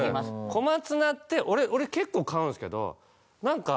小松菜って俺結構買うんですけどなんか。